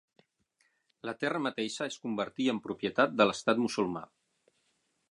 La terra mateixa es convertia en propietat de l'estat musulmà.